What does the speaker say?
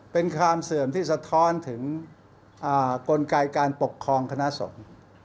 เป็นความเสื่อมที่สะท้อนถึงกลไกการปกครองคณะสงฆ์